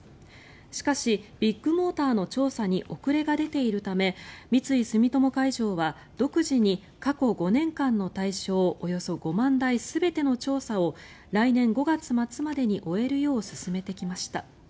しかし、ビッグモーターの調査に遅れが出ているため三井住友海上は独自に過去５年間の対象およそ５万台全ての調査を来年５月末までに終えるよう進めてきました。